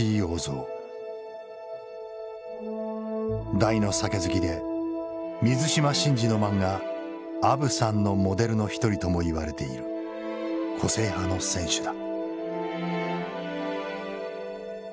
大の酒好きで水島新司の漫画「あぶさん」のモデルの一人とも言われている個性派の選手だ。